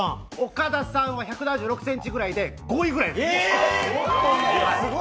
岡田さんは１７６ｃｍくらいで５位くらいです。